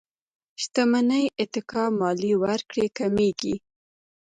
شتمنۍ اتکا ماليې ورکړې کمېږي.